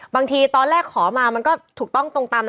บางทีตอนแรกขอมามันก็ถูกต้องตรงตาม